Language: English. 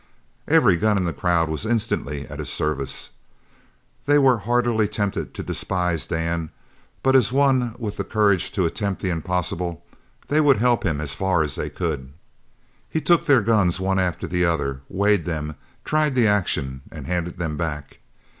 Every gun in the crowd was instantly at his service. They were heartily tempted to despise Dan, but as one with the courage to attempt the impossible, they would help him as far as they could. He took their guns one after the other, weighed them, tried the action, and handed them back.